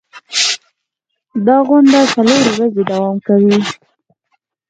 دا غونډه څلور ورځې دوام کوي.